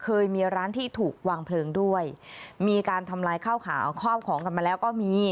เชื่อว่าน่าจะเป็นฝีมือของคนคนเดียวนะมีการทำลายข้าวขาวคอบของกันมาแล้วก็มี